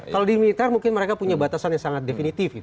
kalau di militer mungkin mereka punya batasan yang sangat definitif